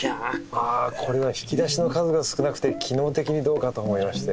あこれは引き出しの数が少なくて機能的にどうかと思いまして。